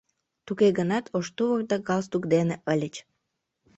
Туге гынат ош тувыр да галстук дене ыльыч.